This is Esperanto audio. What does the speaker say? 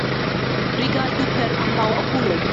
Rigardu per ambaŭ okuloj!